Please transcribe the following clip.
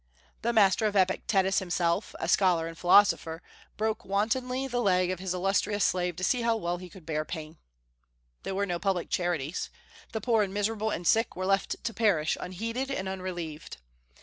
The master of Epictetus, himself a scholar and philosopher, broke wantonly the leg of his illustrious slave to see how well he could bear pain. There were no public charities. The poor and miserable and sick were left to perish unheeded and unrelieved.